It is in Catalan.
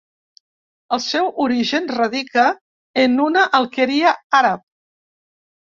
El seu origen radica en una alqueria àrab.